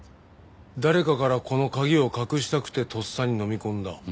誰かからこの鍵を隠したくてとっさにのみ込んだ。